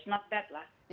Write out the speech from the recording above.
not bad lah